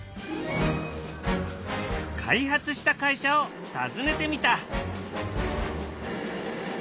開発した会社を訪ねてみた。